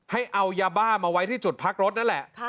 ให้เอายาบ้ามาไว้ที่จุดพักรถนั่นแหละ